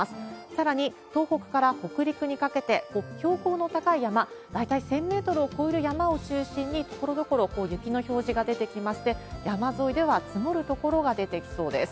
さらに、東北から北陸にかけて、標高の高い山、大体１０００メートルを超える山を中心に、ところどころ雪の表示が出てきまして、山沿いでは積もる所が出てきそうです。